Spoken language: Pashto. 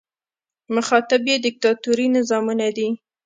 مخاطب یې دیکتاتوري نظامونه دي.